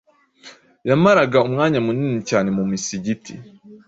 yamaraga umwanya munini cyane mu musigiti